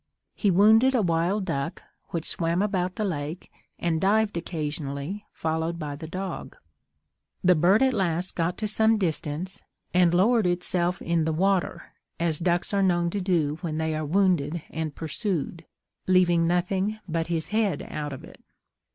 He wounded a wild duck, which swam about the lake, and dived occasionally, followed by the dog. The bird at last got to some distance, and lowered itself in the water, as ducks are known to do when they are wounded and pursued, leaving nothing but his head out of it.